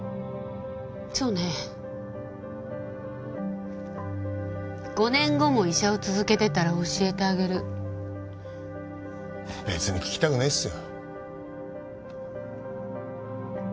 そうねえ５年後も医者を続けてたら教えてあげる別に聞きたくねえっすよ